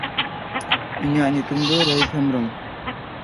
His first building in Mantua has remained his most famous work in architecture.